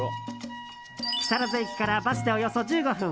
木更津駅からバスでおよそ１５分。